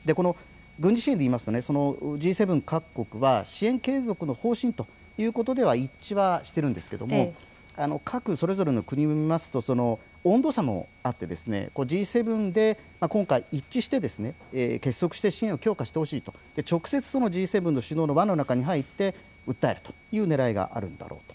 軍事支援でいいますとＧ７各国は支援継続の方針ということでは一致はしているんですけれども、それぞれの国を見ますと温度差もあってＧ７で今回一致して結束して支援を強化してほしいと、直接Ｇ７の首脳の輪の中に入って訴えるというねらいがあるんだろうと。